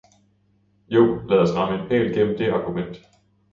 Så lad os ramme en pæl gennem det argument.